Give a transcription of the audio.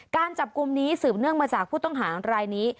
การจับกลุ่มนี้สืบเนื่องมาจากผู้ต้องหารายนี้